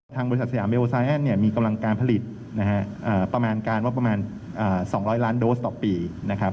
ทางบริษัทสยามเบโอไซแอนเนี่ยมีกำลังการผลิตนะฮะเอ่อประมาณการว่าประมาณเอ่อสองร้อยล้านโดสต์ต่อปีนะครับ